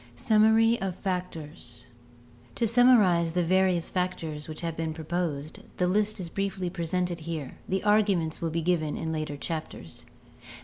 Summary of Factors To summarize the various factors which have been proposed, the list is briefly presented here; the arguments will be given in later chapters.